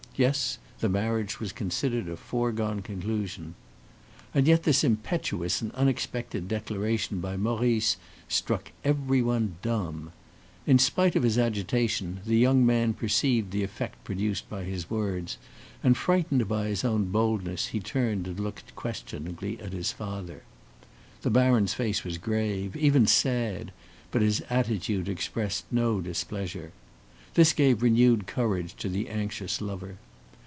Yes, the marriage was considered a foregone conclusion. And yet this impetuous and unexpected declaration by Maurice struck everyone dumb. In spite of his agitation, the young man perceived the effect produced by his words, and frightened by his own boldness, he turned and looked questioningly at his father. The baron's face was grave, even sad; but his attitude expressed no displeasure. This gave renewed courage to the anxious lover.